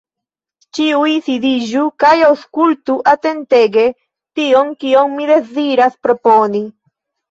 Ĉiuj sidiĝu kaj aŭskultu atentege tion, kion mi deziras proponi.